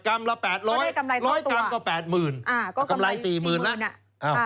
กรัมละแปดร้อยร้อยกรัมก็แปดหมื่นอ่าก็กำไรสี่หมื่นละอ้าว